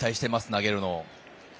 投げるのを。